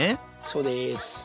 そうです。